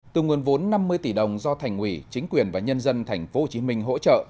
từ nguồn vốn năm mươi tỷ đồng do thành quỷ chính quyền và nhân dân thành phố hồ chí minh hỗ trợ